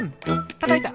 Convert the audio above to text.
たたいた！